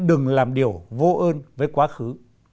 đừng làm điều vô ơn với quá khứ